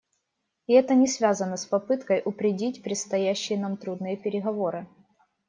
И это не связано с попыткой упредить предстоящие нам трудные переговоры.